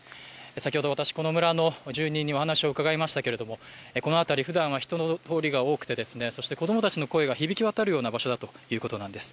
先ほど私、この村の住人にお話を伺いましたけれどもこの辺り、ふだんは人の通りが多くて子供たちの声が響きわたるような場所だということなんです。